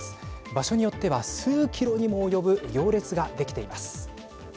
場所によっては数キロにも及ぶ行列ができています。